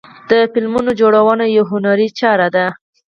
د فلمونو جوړونه یوه هنري چاره ده.